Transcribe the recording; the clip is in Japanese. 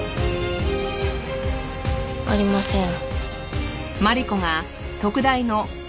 ありません。